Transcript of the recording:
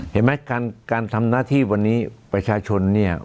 เห็นไหมการทำหน้าที่วันนี้ประชาชนเนี่ย